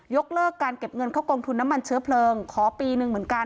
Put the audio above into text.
เลิกการเก็บเงินเข้ากองทุนน้ำมันเชื้อเพลิงขอปีหนึ่งเหมือนกัน